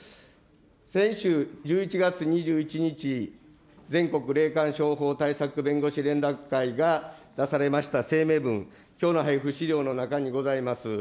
先週１１月２１日、全国霊感商法対策弁護士連絡会が出されました声明文、きょうの配布資料の中にございます。